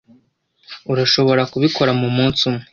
Urashobora kubikora mumunsi umwe?